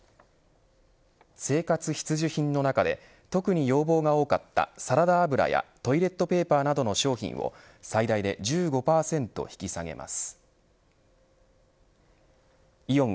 生活必需品の中で特に要望が多かったサラダ油やトイレットペーパーなどの商品を最大で１５％引き下げます。